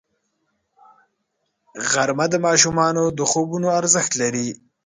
غرمه د ماشومتوب د خوبونو ارزښت لري